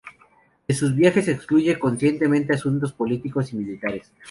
De sus viajes excluye conscientemente asuntos políticos y militares.